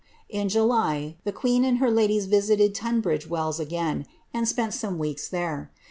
In July, the queen and her ladies visited Tunbridge Wells again, and spent tome weeks there.